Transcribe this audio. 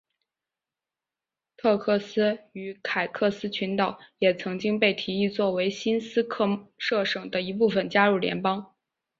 特克斯与凯科斯群岛也曾经被提议作为新斯科舍省的一部分加入联邦。